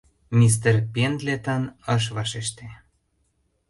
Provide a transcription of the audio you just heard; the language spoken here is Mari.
Мистер Пендлетон ыш вашеште.